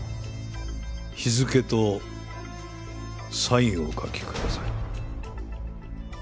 日付とサインをお書きください。